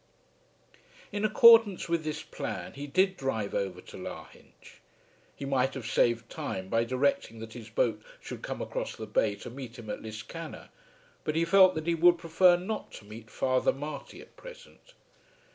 In accordance with this plan he did drive over to Lahinch. He might have saved time by directing that his boat should come across the bay to meet him at Liscannor, but he felt that he would prefer not to meet Father Marty at present.